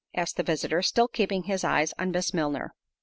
asked the visitor, still keeping his eyes on Miss Milner.